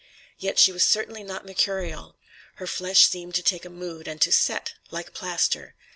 Yet she was certainly not mercurial. Her flesh seemed to take a mood and to "set," like plaster.